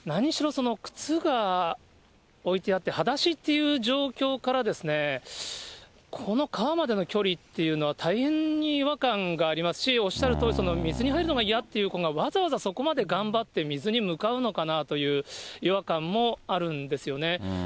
その靴が置いてあって、はだしという状況から、この川までの距離っていうのは大変に違和感がありますし、おっしゃるとおり、水に入るのが嫌って子が、わざわざそこまで頑張って水に向かうのかなという違和感もあるんですよね。